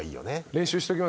練習しときます？